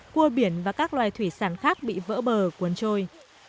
cua biển và các loài thủy sản khác bị vỡ bờ cuốn trôi